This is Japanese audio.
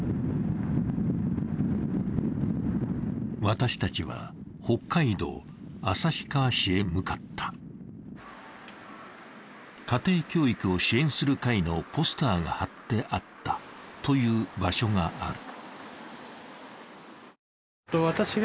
私たちは、北海道旭川市へ向かった家庭教育を支援する会のポスターが張ってあったという場所がある。